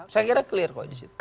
saya kira clear kok disitu